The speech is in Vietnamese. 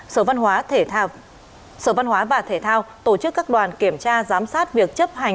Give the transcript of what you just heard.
sở văn hóa và thể thao tổ chức các đoàn kiểm tra giám sát việc chấp hành